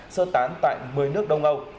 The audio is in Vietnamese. sơ tán tại một mươi nước đông âu